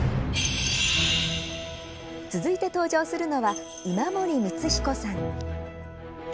続いて登場するのは今森光彦さん。